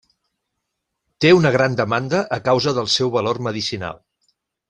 Té una gran demanda a causa del seu valor medicinal.